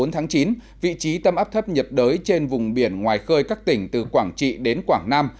bốn tháng chín vị trí tâm áp thấp nhiệt đới trên vùng biển ngoài khơi các tỉnh từ quảng trị đến quảng nam